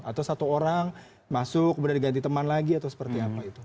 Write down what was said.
atau satu orang masuk kemudian diganti teman lagi atau seperti apa itu